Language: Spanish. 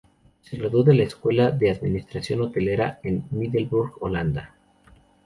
Se graduó de la Escuela de Administración Hotelera en Middelburg, Holanda.